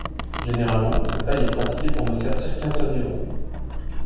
Généralement, cette taille est pratiquée pour ne sertir qu'un seul diamant.